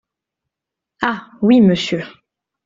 Ah ! oui, Monsieur.